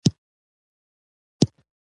خو دا زموږ کار دى چې ورباندې فکر وکړو.